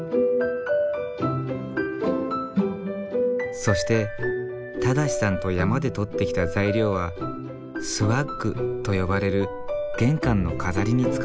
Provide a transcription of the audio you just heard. そして正さんと山で取ってきた材料はスワッグと呼ばれる玄関の飾りに使った。